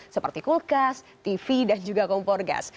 seperti kulkas tv dan juga kompor gas